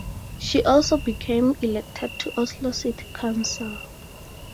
She also became elected to Oslo city council.